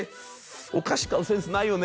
「お菓子買うセンスないよね」